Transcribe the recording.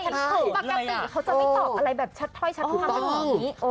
ใช่เขาจะไม่ตอบอะไรแบบท่อยคิดถ้านี้